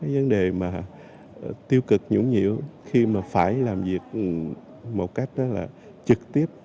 vấn đề tiêu cực nhũng nhiễu khi phải làm việc một cách trực tiếp